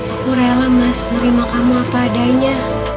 aku rela mas nerima kamu apa adanya